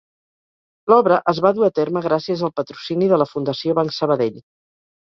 L'obra es va dur a terme gràcies al patrocini de la Fundació Banc Sabadell.